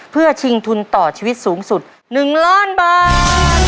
เพื่อชิงทุนต่อชีวิตสูงสุด๑ล้านบาท